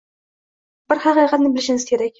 Bir haqiqatni bilishimiz kerak.